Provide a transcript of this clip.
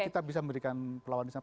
tapi kita bisa memberikan peluangan di sana